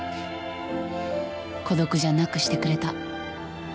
孤独じゃなくしてくれた。